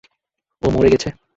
ও মরে গেছে!